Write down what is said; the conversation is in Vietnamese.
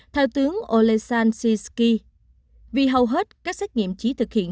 theo tướng oleksandr shishkin vì hầu hết các xét nghiệm chỉ thực hiện